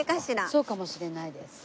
そうかもしれないです。